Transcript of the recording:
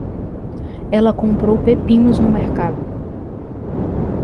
Ela comprou pepinos no mercado.